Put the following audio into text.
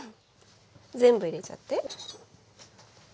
全部入れちゃって。